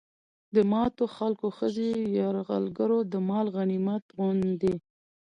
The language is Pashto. د ماتو خلکو ښځې يرغلګرو د مال غنميت غوندې